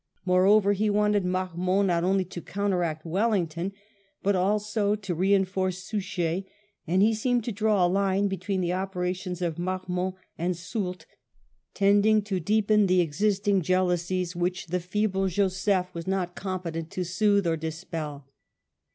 Moreover, he wanted Marmont not only to counteract Wellington but also to reinforce Suchet, and he seemed to draw a line between the operations of Marmont and Soult, tend ing to deepen the existing jealousies which the feeble VII SIEGE OF CIUDAD RODRIGO 157 Joseph was not competent to soothe ^or dispel.